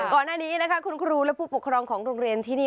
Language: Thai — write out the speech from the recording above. ก่อนหน้านี้นะคะคุณครูและผู้ปกครองของโรงเรียนที่นี่